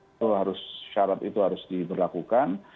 itu harus syarat itu harus diberlakukan